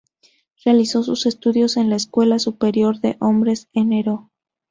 Realizó sus estudios en la Escuela Superior de Hombres Nro.